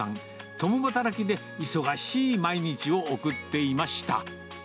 共働きで忙しい毎日を送っていました。